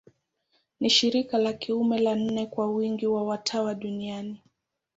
Ni shirika la kiume la nne kwa wingi wa watawa duniani.